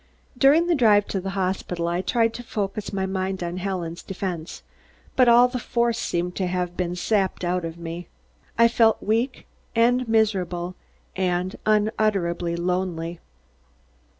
During the drive to the hospital, I tried to focus my mind on Helen's defense, but all the force seemed to have been sapped out of me. I felt weak and miserable and unutterably lonely.